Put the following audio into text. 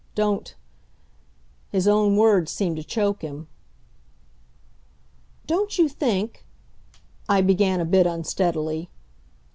Don't " His own words seemed to choke him. "Don't you think " I began a bit unsteadily.